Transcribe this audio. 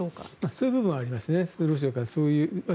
そういう部分はありますね。